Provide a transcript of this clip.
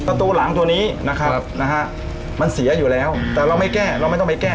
ประตูหลังตัวนี้นะครับนะฮะมันเสียอยู่แล้วแต่เราไม่แก้เราไม่ต้องไปแก้